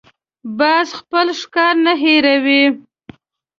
باز خپل ښکار نه هېروي